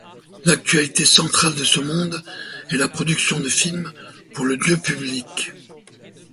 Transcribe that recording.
L'activité centrale de ce monde est la production de films pour le Dieu-Public.